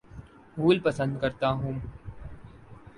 پھول پسند کرتا ہوں